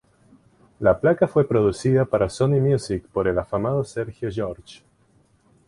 La placa fue producida para Sony Music por el afamado Sergio George.